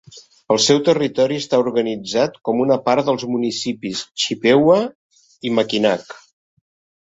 El seu territori està organitzat com una part dels municipis Chippewa i Mackinac.